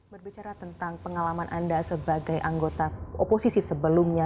berbicara tentang pengalaman anda sebagai anggota oposisi sebelumnya